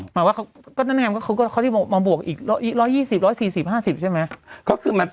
หมายว่าเขาที่มาบวกอีก๑๒๐๑๔๐๑๕๐ใช่ไหม